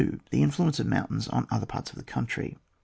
The influence of mountains on oiker parte of the country.